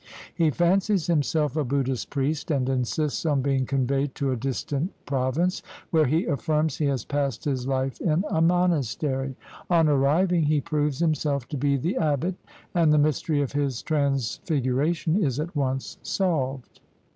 He fancies himself a Buddhist priest, and insists on being conveyed to a distant province, where he affirms he has passed his Hfe in a monastery. On arriving he proves himself to be the abbot ; and the mystery of his transfiguration is at once solved.